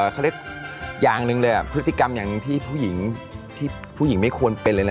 เขาเรียกอย่างหนึ่งเลยพฤติกรรมอย่างที่ผู้หญิงที่ผู้หญิงไม่ควรเป็นเลยนะ